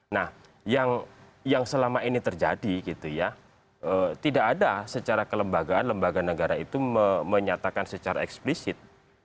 nah yang selama ini terjadi gitu ya tidak ada secara kelembagaan lembaga negara itu menyatakan secara eksplisit